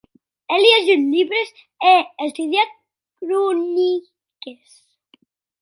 È liejut libres e è estudiat croniques.